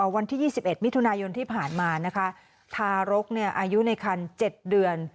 วันที่๒๑มิถุนายนที่ผ่านมานะคะทารกอายุในคัน๗เดือน